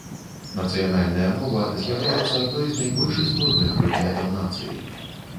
Нацыянальная мова з'яўляецца адной з найбольш істотных прыкметаў нацыі.